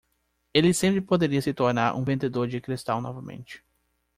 Ele sempre poderia se tornar um vendedor de cristal novamente.